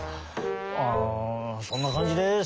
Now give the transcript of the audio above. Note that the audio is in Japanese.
ああそんなかんじです。